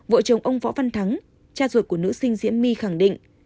vợ chồng ông võ văn thắng cha ruột của nữ sinh diễm my khẳng định